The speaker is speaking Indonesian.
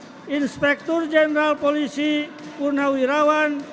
dan inspektur jeneral polisi purnawirawan